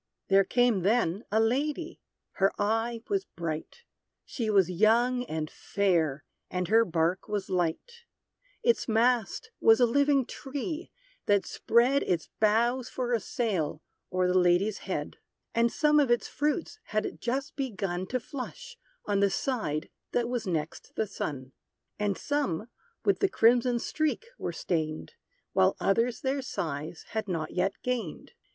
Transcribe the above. There came, then, a lady; her eye was bright She was young and fair, and her bark was light; Its mast was a living tree, that spread Its boughs for a sail, o'er the lady's head. And some of its fruits had just begun To flush, on the side that was next the sun; And some with the crimson streak were stained; While others their size had not yet gained.